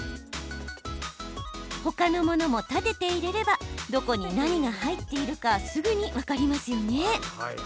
他のものも立てて入れればどこに何が入っているかすぐに分かりますよね。